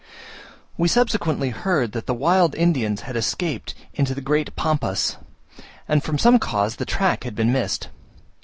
We subsequently heard that the wild Indians had escaped into the great Pampas, and from some cause the track had been missed.